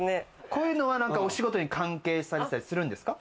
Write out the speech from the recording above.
こういうのは、お仕事に関係したりするんですか？